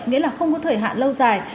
nghĩa là không có thời hạn lâu dài